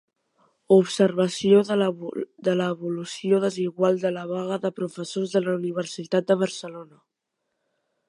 Observació de l'evolució desigual de la vaga de professors de la Universitat de Barcelona.